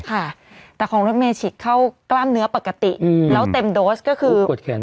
ค่ะแต่ของรถเมฉิกเข้ากล้ามเนื้อปกติแล้วเต็มโดสก็คือปวดแขน